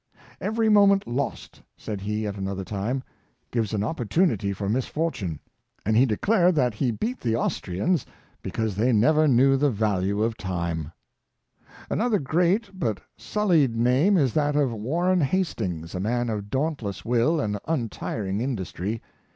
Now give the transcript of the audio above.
*' Every moment lost," said he at another time, '' gives an op portunity for misfortune;" and he declared that he beat the Austrians because they never knew the value of time. 280 Warren Hastings, Another great but sullied name is that of Warren Hastings — a man of dauntless will and untiring indus try.